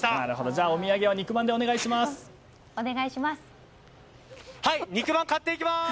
じゃあお土産は肉まんでお願いします！